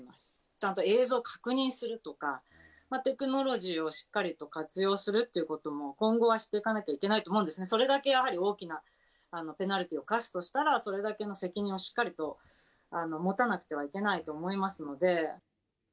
ちゃんと映像を確認するとか、テクノロジーをしっかりと活用するっていうことも、今後はしていかなきゃいけないと思うんですね、それだけやはり大きなペナルティーを科すとしたら、それだけの責任をしっかりと持たなくてはいけないと思いますので。